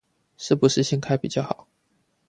是不是掀開比較好